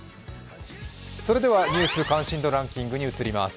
それでは「ニュース関心度ランキング」に移ります。